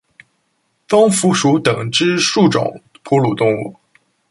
棕蝠属等之数种哺乳动物。